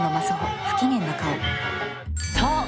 そう。